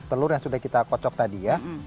telur yang sudah kita kocok tadi ya